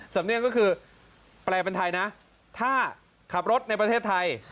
สำเนียงก็คือแปลเป็นไทยนะถ้าขับรถในประเทศไทย